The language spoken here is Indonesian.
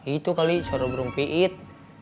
itu kali suara burung piit